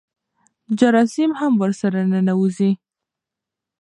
جراثیم هم ورسره ننوځي.